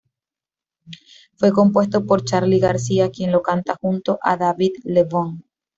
Fue compuesto por Charly García, quien lo canta junto a David Lebón.